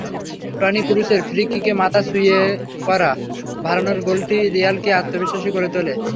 Tony ক্রুসের ফ্রিকিকে মাথা ছুঁইয়ে করা ভারানের গোলটি রিয়ালকে আত্মবিশ্বাসী করে তোলে।